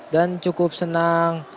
dan cukup senang